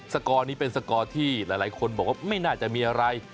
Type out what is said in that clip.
กอร์นี้เป็นสกอร์ที่หลายคนบอกว่าไม่น่าจะมีอะไร